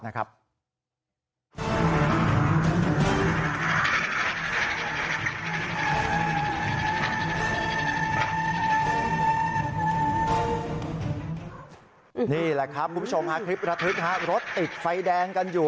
นี่แหละครับคุณผู้ชมฮะคลิประทึกรถติดไฟแดงกันอยู่